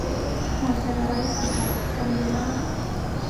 หัวใจไร้สังกัด - กันยามาส